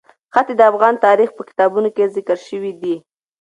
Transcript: ښتې د افغان تاریخ په کتابونو کې ذکر شوی دي.